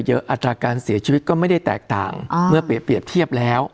อัตราการเสียชีวิตก็ไม่ได้แตกต่างเมื่อเปรียบเทียบแล้ว